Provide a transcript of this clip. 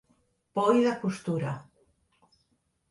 Poll de costura.